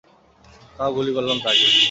তাও গুলি করলাম তাকে।